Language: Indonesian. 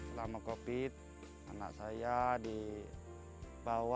selama covid anak saya dibawa